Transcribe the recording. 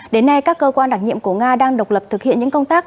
đến nay các cơ quan đặc nhiệm của nga đang độc lập thực hiện những công tác